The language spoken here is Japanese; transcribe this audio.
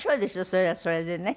それはそれでね。